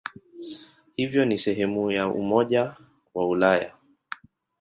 Hivyo ni sehemu ya Umoja wa Ulaya.